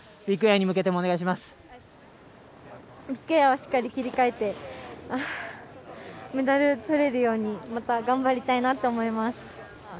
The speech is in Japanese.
ビッグエアはしっかり切り替えて、メダルとれるようにまた頑張りたいなと思います。